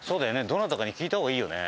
どなたかに聞いた方がいいよね。